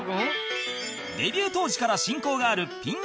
デビュー当時から親交があるピン